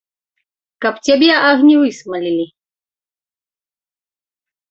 Каб цябе агні высмалілі!